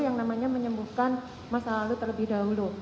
yang namanya menyembuhkan masa lalu terlebih dahulu